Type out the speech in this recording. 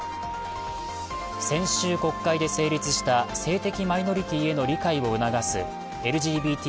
先週、国会で成立した性的マイノリティへの理解を促すＬＧＢＴ